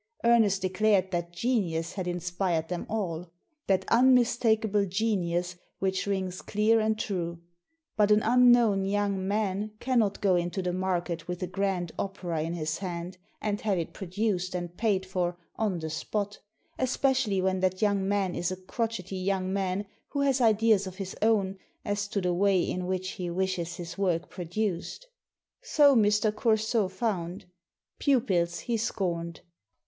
Ernest declared that genius had in spired them all — that unmistakable genius which rings clear and true. But an unknown young man cannot go into the market with a grand opera in his hand, and have it produced and paid for on the spot, especially when that young man is a crotchety young man, who has ideas of his own as to the way in which he wishes his work produced. So Mr. Coursault found. Pupils he scorned.